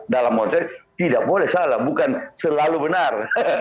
dalam konteks tidak boleh salah bukan selalu benar